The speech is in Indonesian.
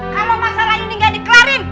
kalau masalah ini gak dikelarin